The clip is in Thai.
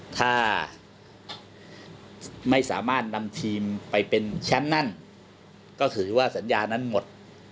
ถ้าไม่สามารถนำทีมไปเป็นแชมป์นั่นก็ถือว่าสัญญานั้นหมด